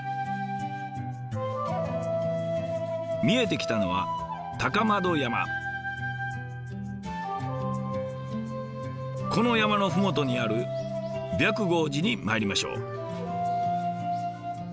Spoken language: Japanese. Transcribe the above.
見えてきたのはこの山の麓にある白毫寺に参りましょう。